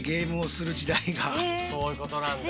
そういうことなんだ。